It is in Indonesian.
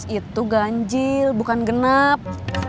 lima belas itu ganjil bukan genap